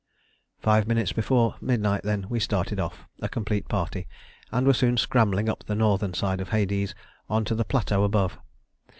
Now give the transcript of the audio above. Five minutes before midnight, then, we started off a complete party, and were soon scrambling up the northern side of "Hades" on to the plateau above.